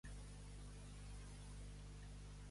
Com el Bretó, que amenaça quan ha pegat.